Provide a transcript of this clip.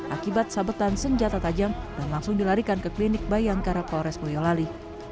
akibat sabetan senjata tajam dan langsung dilarikan ke klinik bayangkara polres boyolali